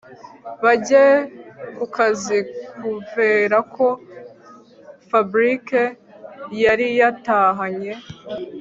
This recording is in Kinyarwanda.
bajye kukazi kuvera ko Fabric yari yatahanye